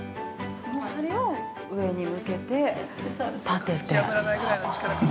◆その針を上に向けて、立てて。